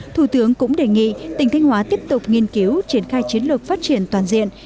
thủ tướng cũng đề nghị tỉnh thanh hóa tiếp tục nghiên cứu triển khai chiến lược phát triển toàn diện